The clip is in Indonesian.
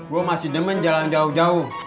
gue masih demen jalan jauh jauh